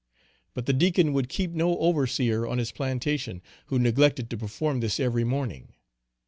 But the Deacon would keep no overseer on his plantation, who neglected to perform this every morning.